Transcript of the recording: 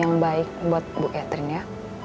yang baik buat bu catherine ya